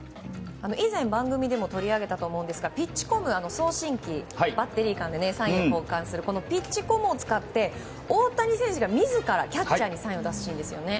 以前、番組でも取り上げたと思うんですがピッチコム、送信機バッテリー間でサインを交換するピッチコムを使って大谷選手が自らキャッチャーにサインを出すシーンですよね。